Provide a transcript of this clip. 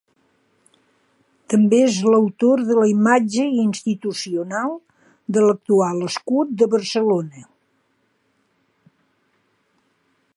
També és l'autor de la imatge institucional de l'actual escut de Barcelona.